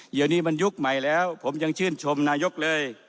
เดี๋ยวนี้มันยุคใหม่แล้วผมยังชื่นชมนายกเลย